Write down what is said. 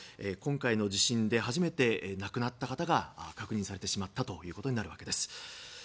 今回の地震で初めて亡くなった方が確認されてしまったことになるわけです。